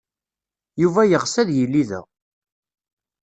Yuba yeɣs ad yili da.